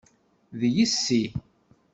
D yessi.